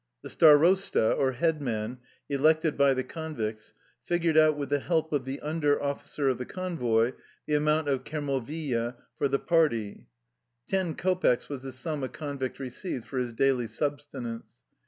The stdrosta, or head man, elected by the con victs figured out with the help of the under oflucer of the convoy the amount of Jcormoviye ^ for the party. Ten kopecks was the sum a con vict received for his daily subsistence.